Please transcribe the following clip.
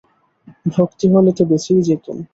ভক্তি হলে তো বেঁচেই যেতুম।